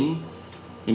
dan yang tergabung dalam tim